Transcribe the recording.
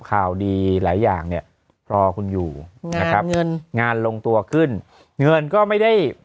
คราวดีหลายอย่างเนี่ยพอคุณอยู่งานลงตัวขึ้นเงินก็ไม่ได้